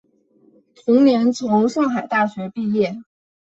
同年从上海大学毕业。